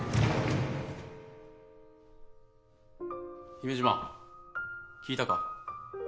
姫島聞いたか？